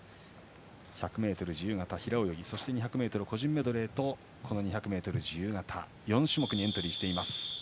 １００ｍ自由形、平泳ぎそして２００ｍ個人メドレーとこの２００ｍ自由形にエントリーしています。